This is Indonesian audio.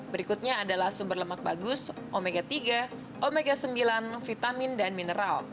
berikutnya adalah sumber lemak bagus omega tiga omega sembilan vitamin dan mineral